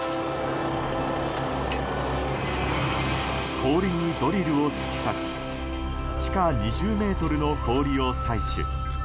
氷にドリルを突き刺し地下２０ｍの氷を採取。